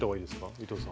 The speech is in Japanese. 伊藤さん。